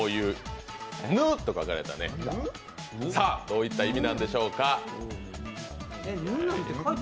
どういった意味なんでしょうか？